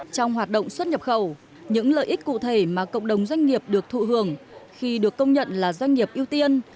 trong hoạt động xuất nhập khẩu những lợi ích cụ thể mà cộng đồng doanh nghiệp được thụ hưởng khi được công nhận là doanh nghiệp ưu tiên